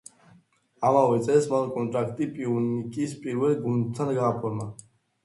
ამავე წელს, მან კონტრაქტი „პიუნიკის“ პირველ გუნდთან გააფორმა.